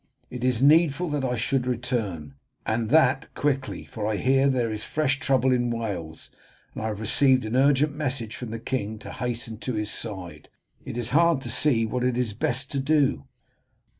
It is needful that I should return, and that quickly, for I hear that there is fresh trouble in Wales, and I have received an urgent message from the king to hasten to his side. It is hard to see what it is best to do."